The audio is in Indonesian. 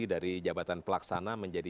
dari jabatan pelaksana menjadi